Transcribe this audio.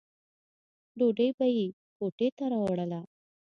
ډوډۍ به یې کوټې ته راوړله.